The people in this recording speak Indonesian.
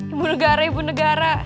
ibu negara ibu negara